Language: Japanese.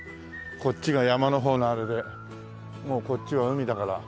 こっちが山の方のあれでもうこっちは海だから。